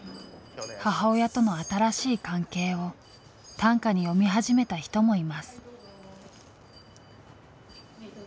母親との新しい関係を短歌に詠み始めた人もいます。